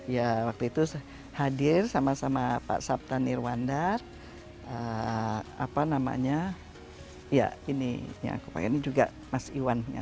ya waktu itu hadir sama sama pak sabta nirwandar apa namanya ya ini yang aku pengen ini juga mas iwannya